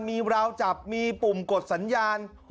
มีราวจับมีปุ่มกดสัญญาณ